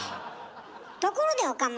ところで岡村。